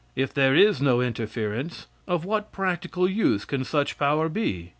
If there is no interference, of what practical use can such power be?